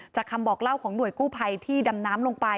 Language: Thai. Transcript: คำบอกเล่าของหน่วยกู้ภัยที่ดำน้ำลงไป